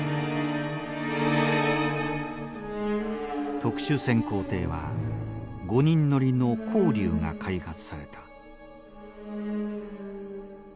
特殊潜航艇は５人乗りの蛟龍が開発された。